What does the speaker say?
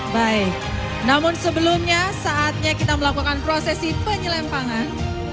baik namun sebelumnya saatnya kita melakukan prosesi penyelempangan